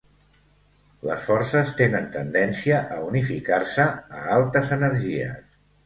Les forces tenen tendència a unificar-se a altes energies.